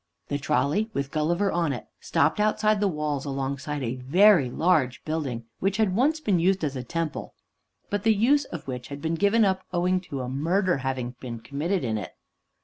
The trolley, with Gulliver on it, stopped outside the walls, alongside a very large building which had once been used as a temple, but the use of which had been given up owing to a murder having been committed in it.